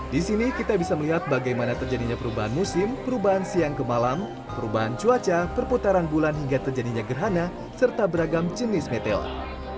di sini kita bisa melihat bagaimana terjadinya perubahan musim perubahan siang ke malam perubahan cuaca perputaran bulan hingga terjadinya gerhana serta beragam jenis meteor